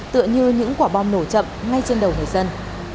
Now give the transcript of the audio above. tựa như những quả bom nổ chậm ngay trên đầu người dân